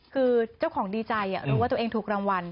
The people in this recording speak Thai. คือเจ้าของดีใจรู้ว่าตัวเองถูกรางวัล